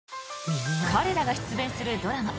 彼らが出演するドラマ